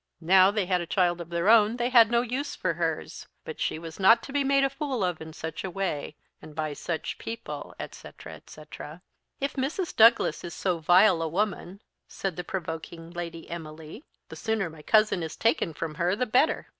Now they had a child of their own, they had no use for hers; but she was not to be made a fool of in such a way, and by such people, etc. etc. "If Mrs. Douglas is so vile a woman," said the provoking Lady Emily, "the sooner my cousin is taken from her the better."